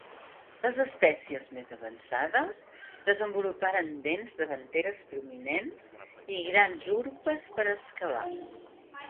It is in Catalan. Les espècies més avançades desenvoluparen dents davanteres prominents i grans urpes per excavar.